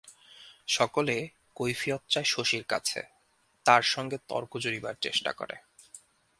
সকলে কৈফিয়ত চায় শশীর কাছে, তার সঙ্গে তর্ক জুড়িবার চেষ্টা করে।